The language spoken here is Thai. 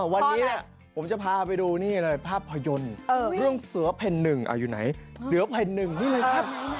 วันนี้ผมจะพาไปดูนี่เลยภาพยนตร์เรื่องเสือแผ่นหนึ่งอยู่ไหนเสือแผ่นหนึ่งนี่เลยครับ